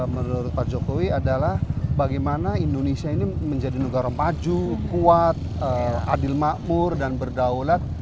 menurut pak jokowi adalah bagaimana indonesia ini menjadi negara maju kuat adil makmur dan berdaulat